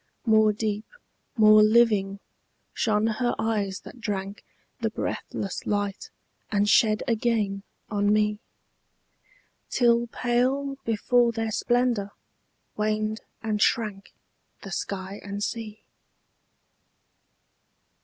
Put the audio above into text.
More deep, more living, shone her eyes that drank The breathless light and shed again on me, Till pale before their splendour waned and shrank The sky and sea.